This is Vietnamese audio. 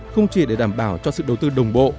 không chỉ để đảm bảo cho sự đầu tư đồng bộ